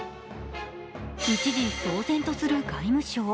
一時騒然とする外務省。